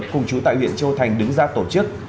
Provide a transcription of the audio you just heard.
cùng chú tại huyện châu thành đứng ra tổ chức